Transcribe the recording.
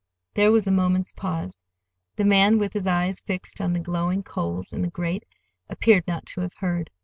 There was a moment's pause. The man, with his eyes fixed on the glowing coals in the grate, appeared not to have heard.